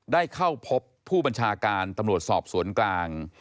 ได้เข้าพบผู้บัญชาการตำรวจสอบสวนกลาง